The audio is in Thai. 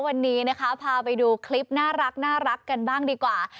วันนี้นะคะพาไปดูคลิปน่ารักกันบ้างดีกว่า